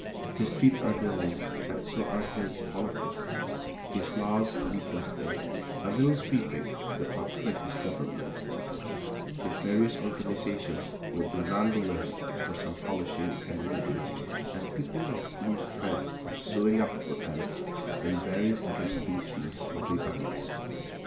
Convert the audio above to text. His streets are dirty and so are his politics; his laws need dusting; a little sweeping would not hurt his governments; his various organizations would be none the worse for some polishing and weeding and clipping of loose threads and sewing up of rents and various other species of revamping.